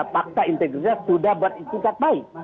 paksa integritas sudah berisikat baik